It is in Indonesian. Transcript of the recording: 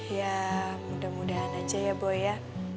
ya mudah mudahan aja ya bu ya